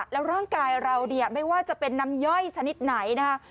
แล้วร่างกายเราไม่ว่าจะเป็นนำย่อยชนิดไหน